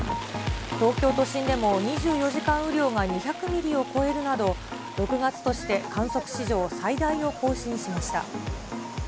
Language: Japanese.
東京都心でも２４時間雨量が２００ミリを超えるなど、６月として観測史上、最大を更新しました。